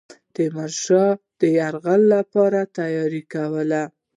تیمورشاه د یرغل لپاره تیاری کوي.